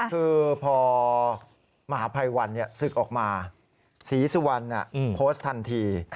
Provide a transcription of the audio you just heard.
คือพอมหาภัยวันศึกออกมาศรีสุวรรณโพสต์ทันที